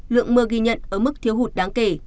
lượng mưa ghi nhận ở mức thiếu hụt đáng kể